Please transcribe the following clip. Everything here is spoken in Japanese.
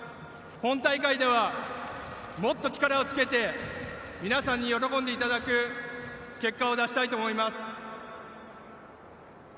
本大会では、もっと力をつけて皆さんに喜んでいただく結果を出したいと思います。